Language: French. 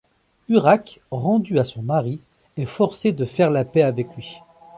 Urraque, rendue à son mari, est forcée de faire la paix avec lui.